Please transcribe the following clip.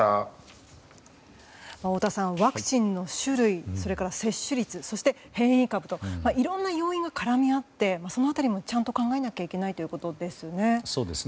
太田さん、ワクチンの種類それから接種率そして、変異株といろんな要因が絡み合ってその辺りもちゃんと考えなきゃいけないということですよね。